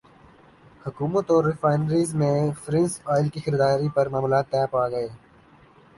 حکومت اور ریفائنریز میں فرنس ئل کی خریداری پر معاملات طے پاگئے